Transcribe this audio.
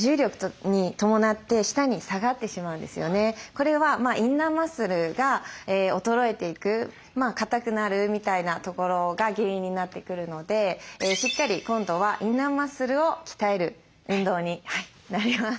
これはインナーマッスルが衰えていく硬くなるみたいなところが原因になってくるのでしっかり今度はインナーマッスルを鍛える運動になります。